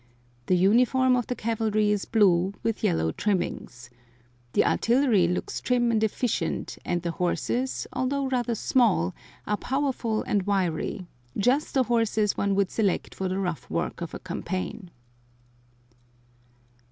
The uniform of the cavalry is blue, with yellow trimmings. The artillery looks trim and efficient, and the horses, although rather small, are powerful and wiry, just the horses one would select for the rough work of a campaign.